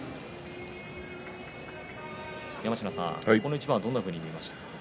山科さん、この一番はどんなふうに見ましたか。